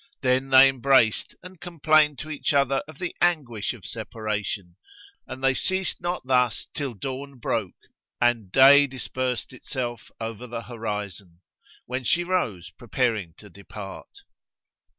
Then they embraced and complained to each other of the anguish of separation; and they ceased not thus till dawn broke and day dispersed itself over the horizon; when she rose preparing to depart.